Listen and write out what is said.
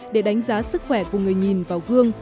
để đánh giá sức khỏe của người nhìn vào gương